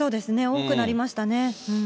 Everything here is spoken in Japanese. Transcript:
多くなりましたね。